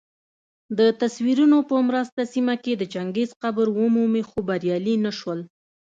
دتصویرونو په مرسته سیمه کي د چنګیز قبر ومومي خو بریالي نه سول